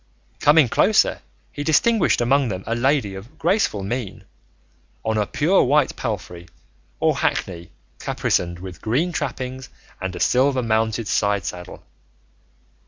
Coming closer, he distinguished among them a lady of graceful mien, on a pure white palfrey or hackney caparisoned with green trappings and a silver mounted side saddle.